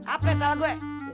apa salah gue